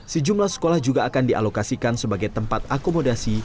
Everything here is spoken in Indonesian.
sejumlah sekolah juga akan dialokasikan sebagai tempat akomodasi